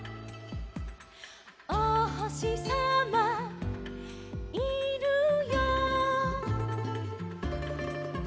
「おほしさまいるよいるよ」